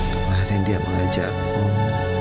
kemarin dia mengajak om